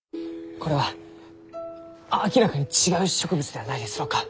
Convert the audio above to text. これは明らかに違う植物ではないですろうか？